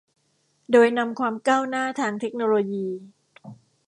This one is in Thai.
โดยนำความก้าวหน้าทางเทคโนโลยี